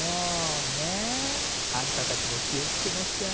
ねえ？あんたたちも気をつけなさい。